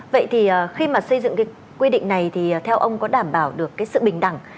vậy thì khi mà xây dựng cái quy định này thì theo ông có đảm bảo được cái sự bình đẳng